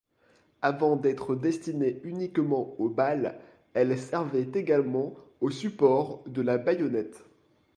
Avant d'être destinée uniquement aux balles, elle servait également au support de la baïonnette.